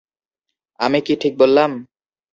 আমি কি ঠিক বললাম?